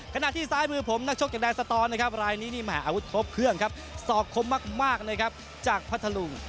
ขณะที่ซ้ายมือผมนักชกอย่างสตอนนะครับรายนี้นี่แห่อาวุธครบเครื่องครับสอกคมมากเลยครับจากพัทธลุง